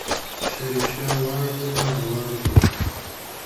شريف شا واړوله روان شو.